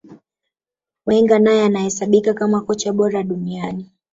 Wenger naye anahesabika kama kocha bora duniani